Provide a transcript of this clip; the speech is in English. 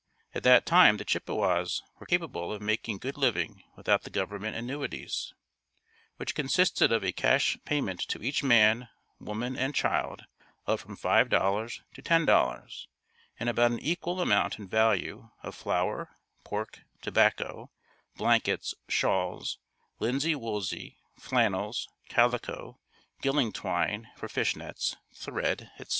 At that time the Chippewas were capable of making good living without the Government annuities, which consisted of a cash payment to each man, woman and child of from $5.00 to $10.00 and about an equal amount in value of flour, pork, tobacco, blankets, shawls, linsey woolsy, flannels, calico, gilling twine for fish nets, thread, etc.